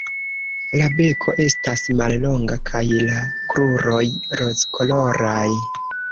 La beko estas mallonga kaj la kruroj rozkoloraj.